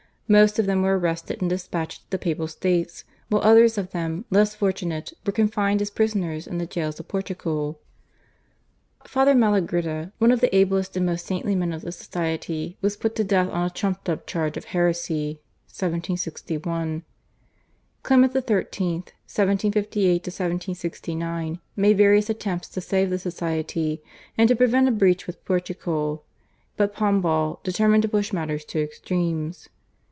Most of them were arrested and despatched to the Papal States, while others of them, less fortunate, were confined as prisoners in the jails of Portugal. Father Malagrida, one of the ablest and most saintly men of the Society, was put to death on a trumped up charge of heresy (1761). Clement XIII. (1758 1769) made various attempts to save the Society, and to prevent a breach with Portugal, but Pombal determined to push matters to extremes.